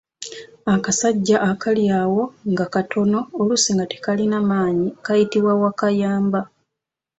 Akasajja akali awo nga katono oluusi nga tekalina maanyi kayitibwa Wakayamba.